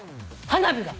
花火が。